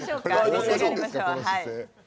召し上がりましょうはい。